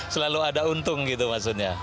selalu ada untung gitu maksudnya